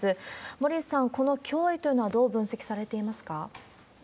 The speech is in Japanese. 森内さん、この脅威というのはどう分析されていますか？